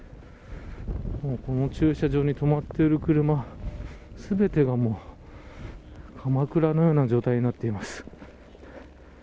駐車場に止まっている車全てがもうかまくらのような状態になっています。